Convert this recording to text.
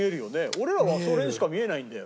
俺らはそれにしか見えないんだよ。